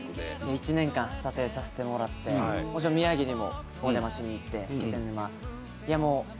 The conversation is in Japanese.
１年間撮影させてもらってもちろん宮城にもお邪魔しに行って気仙沼。